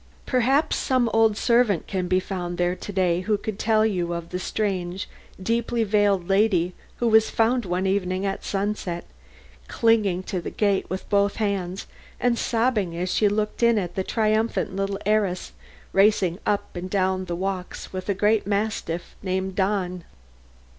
"Perhaps some old servant can be found there to day who could tell you of the strange, deeply veiled lady who was found one evening at sunset, clinging to the gate with both hands and sobbing as she looked in at the triumphant little heiress racing up and down the walks with the great mastiff, Don.